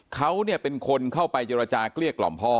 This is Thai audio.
เขาเป็นคนเข้าไปเจรจาเกลี้ยกล่อมพ่อ